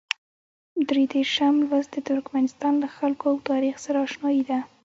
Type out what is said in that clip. درې دېرشم لوست د ترکمنستان له خلکو او تاریخ سره اشنايي ده.